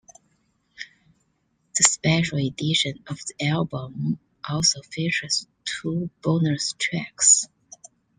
The special edition of the album also features two bonus tracks.